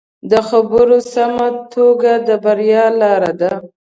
د خبرو سمه توګه د بریا لاره ده